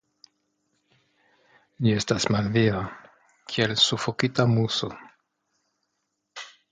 Li estas malviva kiel sufokita muso.